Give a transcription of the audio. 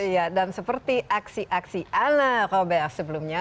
iya dan seperti aksi aksi alain robert sebelumnya